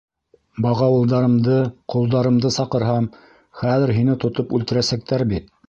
Бағауылдарымды, ҡолдарымды саҡырһам, хәҙер һине тотоп үлтерәсәктәр бит.